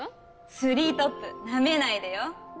スリートップなめないでよ